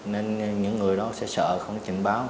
nên những người đó sẽ sợ không trình báo